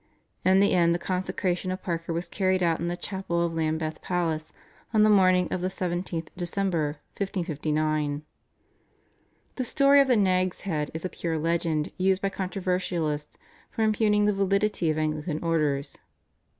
In the end the consecration of Parker was carried out in the chapel of Lambeth Palace on the morning of the 17th December, 1559. The story of the Nag's Head is a pure legend used by controversialists for impugning the validity of Anglican Orders.